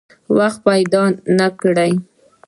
وخت پیدا نه کړي.